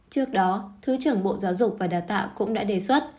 trước đó thứ trưởng bộ giáo dục và đào tạo cũng đã đề xuất